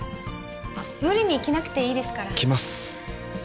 あっ無理に着なくていいですから着ます